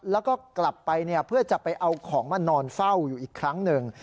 แล้วก็กลับไปเพื่อจะไปเอาของมานอนเฝ้าอยู่อีกครั้งหนึ่ง